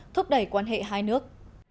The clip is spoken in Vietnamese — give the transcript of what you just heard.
giúp đẩy quan hệ hai nước